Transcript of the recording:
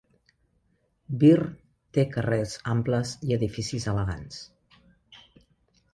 Birr té carrers amples i edificis elegants.